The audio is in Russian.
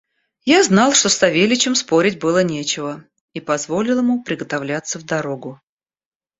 Я знал, что с Савельичем спорить было нечего, и позволил ему приготовляться в дорогу.